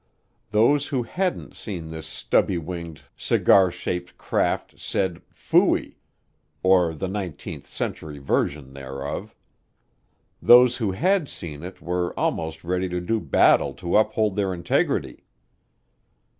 Those who hadn't seen the stubby winged, cigar shaped "craft" said, "Phooey," or the nineteenth century version thereof. Those who had seen it were almost ready to do battle to uphold their integrity.